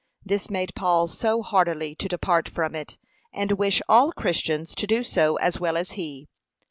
This made Paul so heartily to depart from it, and wish all Christians to do so as well as he.